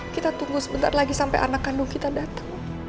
kita tunggu sebentar lagi sampai anak kandung kita datang